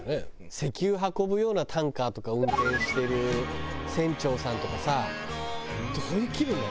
石油運ぶようなタンカーとか運転してる船長さんとかさどういう気分なの？